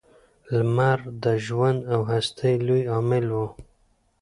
• لمر د ژوند او هستۍ لوی عامل و.